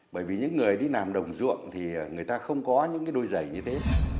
bởi vì những người đi làm đồng ruộng thì người ta không có những cái đôi giày như thế